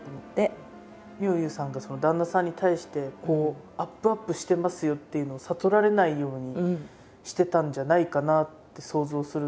妙憂さんが旦那さんに対してアップアップしてますよっていうのを悟られないようにしてたんじゃないかなって想像するんですけど。